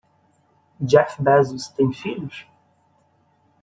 Jeff Bezos tem filhos?